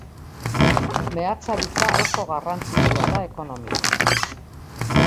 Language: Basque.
Meatzaritza oso garrantzitsua da ekonomian.